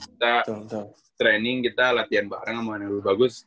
kita training kita latihan bareng sama dengan yang lebih bagus